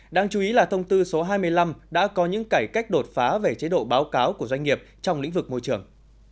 đáng chú ý là thông tư số hai mươi năm đã có những cải cách đột phá về chế độ báo cáo của doanh nghiệp trong lĩnh vực môi trường